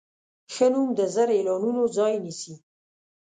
ښه نوم د زر اعلانونو ځای نیسي.